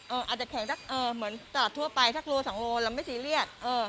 อาจจะแข็งเหมือนตลาดทั่วไปสักโลสองโลเราไม่ซีเรียส